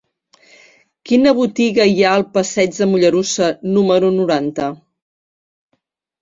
Quina botiga hi ha al passeig de Mollerussa número noranta?